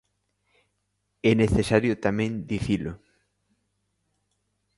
É necesario tamén dicilo.